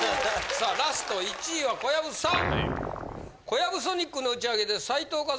さあラスト１位は小籔さん！